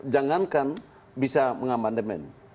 jangankan bisa mengamandemen